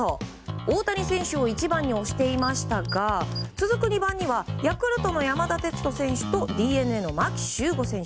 大谷選手を１番に推していましたが続く２番にはヤクルトの山田哲人選手とＤｅＮＡの牧秀悟選手